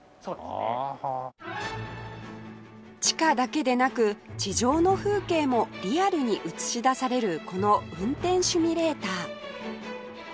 地下だけでなく地上の風景もリアルに映し出されるこの運転シミュレーター